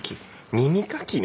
耳かきね。